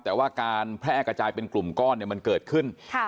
แต่ว่าการแพร่กระจายเป็นกลุ่มก้อนเนี่ยมันเกิดขึ้น